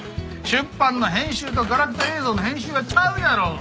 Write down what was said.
出版の編集とガラクタ映像の編集はちゃうやろ！